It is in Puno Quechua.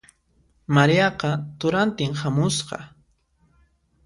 Mariaqa turantin hamusqa.